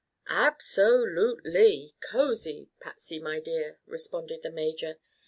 "Ab so lute ly cosy, Patsy, my dear," responded the major.